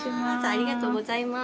ありがとうございます。